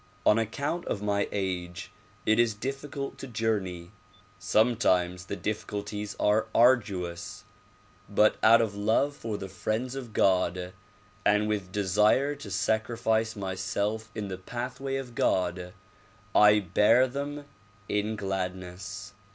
On account of my age it is diiificult to journey. Sometimes the difficulties are arduous but out of love for the friends of God and with desire to sacrifice myself in the pathway of God, I bear them in gladness.